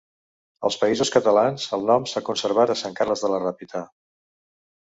Als Països Catalans, el nom s'ha conservat a Sant Carles de la Ràpita.